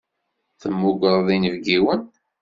Temmugreḍ inebgiwen.